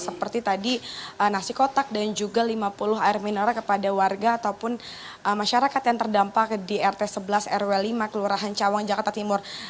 seperti tadi nasi kotak dan juga lima puluh air mineral kepada warga ataupun masyarakat yang terdampak di rt sebelas rw lima kelurahan cawang jakarta timur